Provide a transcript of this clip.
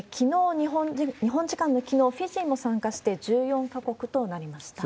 日本時間のきのう、フィジーも参加して、１４か国となりました。